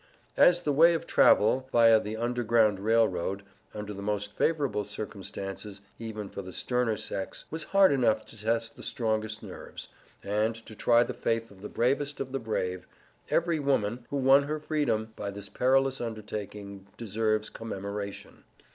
As the way of travel, viâ the Underground Rail Road, under the most favorable circumstances, even for the sterner sex, was hard enough to test the strongest nerves, and to try the faith of the bravest of the brave, every woman, who won her freedom, by this perilous undertaking, deserves commemoration.